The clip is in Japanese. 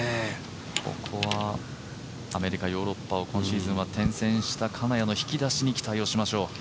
ここはアメリカ、ヨーロッパを今シーズンは転戦した金谷の引き出しに期待しましょう。